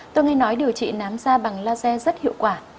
tôi hay nói điều trị nám da bằng laser rất hiệu quả